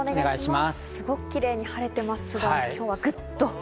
すごくキレイに晴れてますが、今日はぐっと。